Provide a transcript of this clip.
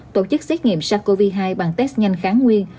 tổ chức xét nghiệm sars cov hai bằng test nhanh kháng nguyên